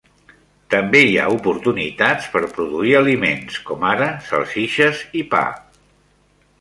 També hi ha oportunitats per produir aliments, com ara salsitxes i pa.